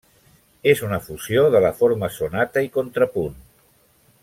És una fusió de la forma sonata i contrapunt.